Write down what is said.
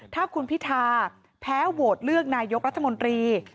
ถ้าคุณพิธาแพ้โหวตเลือกนายกรัฐมนตรี